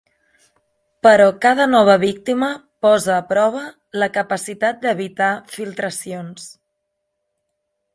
Però cada nova víctima posa a prova la capacitat d'evitar filtracions.